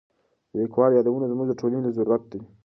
د لیکوالو یادونه زموږ د ټولنې ضرورت دی.